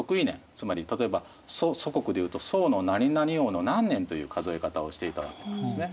つまり例えば楚国でいうと楚のなになに王の何年という数え方をしていたわけなんですね。